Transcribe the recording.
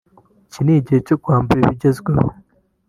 “Iki ni igihe cyo kwambara ibigezweho